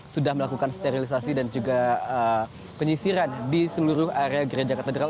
sudah melakukan sterilisasi dan juga penyisiran di seluruh area gereja katedral